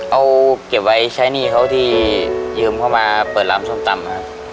เอาเก็บไว้ใช้หนี้เขาที่ยืมเข้ามาเปิดร้านส้มตำนะครับ